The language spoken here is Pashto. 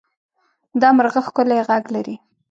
دا مرغه ښکلی غږ لري.